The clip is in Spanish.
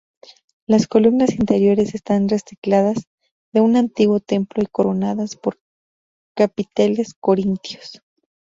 Las columnas interiores están recicladas de un antiguo templo y coronadas por capiteles corintios.